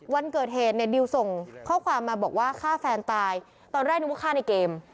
วันเกิดเหตุเนี่ยดิวส่งข้อความมาบอกว่าฆ่าแฟนตายตอนแรกนึกว่าฆ่าในเกม